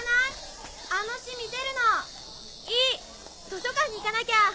図書館に行かなきゃ。